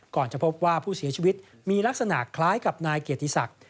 จะพบว่าผู้เสียชีวิตมีลักษณะคล้ายกับนายเกียรติศักดิ์